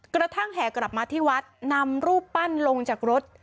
กระทั่งแห่กลับมาที่วัดนำรูปปั้นลงจากรถ